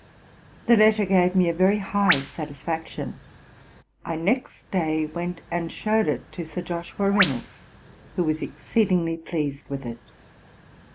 This letter gave me a very high satisfaction; I next day went and shewed it to Sir Joshua Reynolds, who was exceedingly pleased with it.